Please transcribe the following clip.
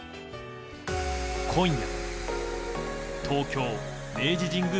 今夜、東京・明治神宮